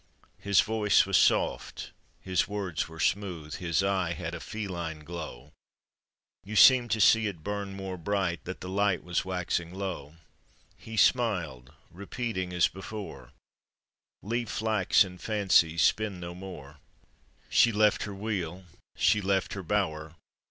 His voice was soft, his words were smooth, His eye had a feline glow, You seemed to see it burn more bright That the light was waxing low. He smiled, repeating as before: " Leave flax and fancies, spin no more." She left her wheel, she left her bower.